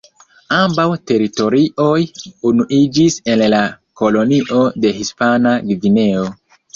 Ambaŭ teritorioj unuiĝis en la kolonio de Hispana Gvineo.